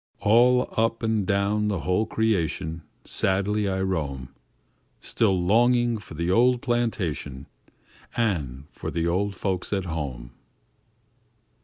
"All up an' down the whole creation, Sadly I roam, Still longing for the old plantation, An' for the old folks at home."